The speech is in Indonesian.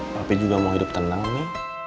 papi juga mau hidup tenang mi